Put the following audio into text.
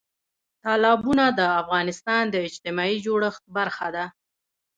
تالابونه د افغانستان د اجتماعي جوړښت برخه ده.